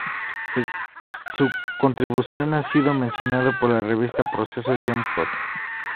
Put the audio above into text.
Su contribución ha sido mencionada en la revista Proceso, "Jump Cut.